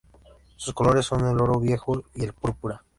Sus colores son el oro viejo y el púrpura.